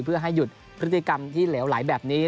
เพื่อให้หยุดพฤติกรรมที่เหลวไหลแบบนี้